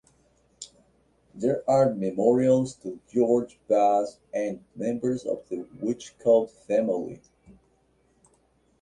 There are memorials to George Bass and members of the Whichcote family.